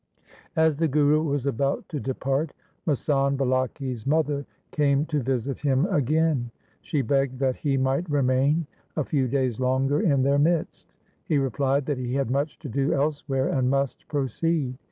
As the Guru was about to depart, masand Bulaki's mother came to visit him again. She begged that he might remain a few days longer in their midst. He replied that he had much to do elsewhere and must proceed.